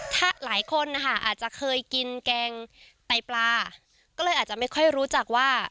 ถ้าหลายคนนะคะอาจจะเคยกินแกงไตปลาก็เลยอาจจะไม่ค่อยรู้จักว่า